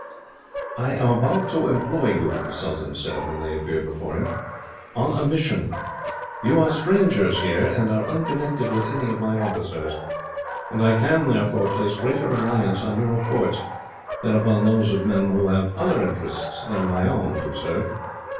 "I am about to employ you," the sultan said, when they appeared before him, "on a mission. You are strangers here, and are unconnected with any of my officers; and I can, therefore, place greater reliance on your reports, than upon those of men who have other interests than my own to serve.